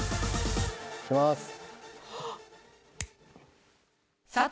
いきます。